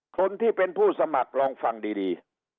คนที่เป็นผู้สมัครลองฟังดี